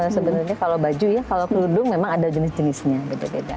sebenarnya kalau baju ya kalau kerudung memang ada jenis jenisnya beda beda